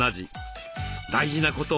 大事なことは。